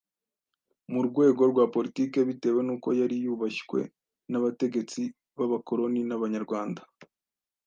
mu rwego rwa politiki bitewe n'uko yari yubashywe n'abategetsi b'abakoloni n'Abanyarwanda,